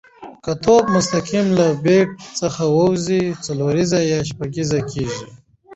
که توپ مستقیم له بېټ څخه وځي، څلوریزه یا شپږیزه کیږي.